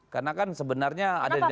karena kan sebenarnya ada dinamika